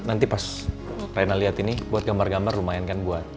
nanti pas raina lihat ini buat gambar gambar lumayan kan buat